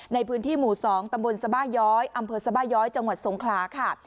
ในพื้นที่หมู่๒ตำบลสบาย้อยอำเภอสบาย้อยจังหวัดสงขลาค่ะ